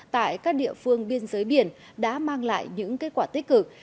tại các địa phương biên giới biển đã mang lại những kết quả tích cực